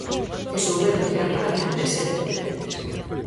Que souberon tirar para adiante e ser independentes.